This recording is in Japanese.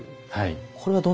はい。